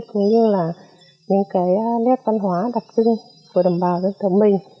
cũng như là những cái nét văn hóa đặc trưng của đồng bào dân tộc mình